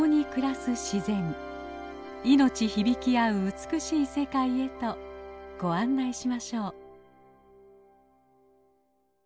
命響きあう美しい世界へとご案内しましょう。